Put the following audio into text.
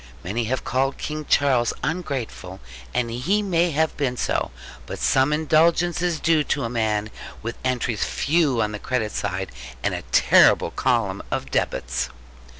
Many have called King Charles ungrateful: and he may have been so. But some indulgence is due to a man, with entries few on the credit side, and a terrible column of debits.